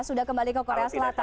sudah kembali ke korea selatan